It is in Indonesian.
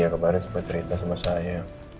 iya kemarin sempet cerita sama saya